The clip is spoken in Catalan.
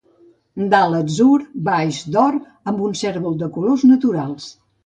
Dalt, atzur; baix, d'or, amb un cérvol de colors naturals.